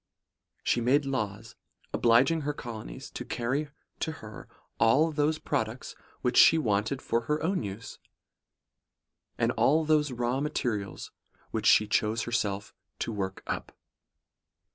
She made laws, obliging her colonies to carry to her all those products which she wanted for her own use ; and all those raw materials which she chose herself to work up.